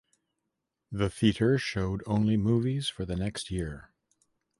The theater showed only movies for the next year.